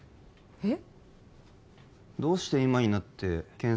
えっ？